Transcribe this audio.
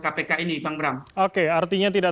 kpk ini bang bram oke artinya tidak